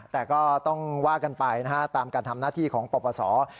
แต่ก็ต้องว่ากันไปนะฮะตามการทำหน้าที่ของปปศ